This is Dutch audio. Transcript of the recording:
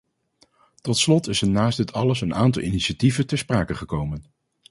Tot slot is er naast dit alles een aantal initiatieven ter sprake gekomen.